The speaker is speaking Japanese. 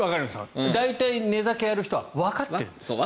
大体、寝酒やる人はわかっているんです。